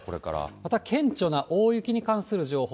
また顕著な大雪に関する情報。